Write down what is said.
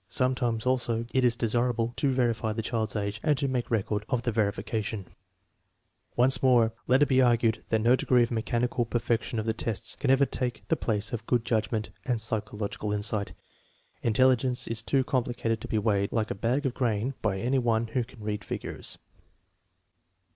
Sometimes, also, it is desirable to verify the child's age and to make record of the verification. 136 THE MEASUREMENT OF INTELLIGENCE Once more let it be urged that no degree of mechanical perfection of the tests can ever take the place of good judgment and psychological insight. Intelligence is too complicated to be weighed, like a bag of grain, by any one who can read figures.